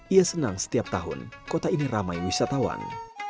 ia senang setiap tahun kota ini ramai wisatawan